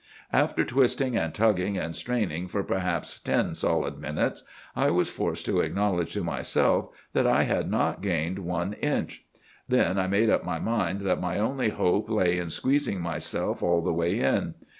"'After twisting and tugging and straining for perhaps ten solid minutes, I was forced to acknowledge to myself that I had not gained one inch. Then I made up my mind that my only hope lay in squeezing myself all the way in.